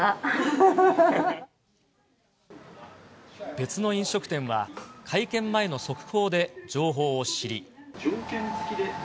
別の飲食店は、会見前の速報で情報を知り。条件付きで。